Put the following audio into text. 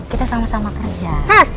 kita sama sama kerja